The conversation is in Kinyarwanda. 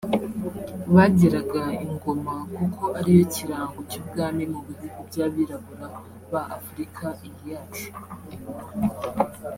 Bagiraga Ingoma kuko ariyo kirango cy’ubwami mu bihugu by’Abirabura ba Afurika iyi yacu